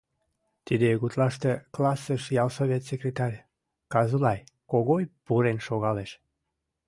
Тиде гутлаште классыш ялсовет секретарь Казулай Когой пурен шогалеш.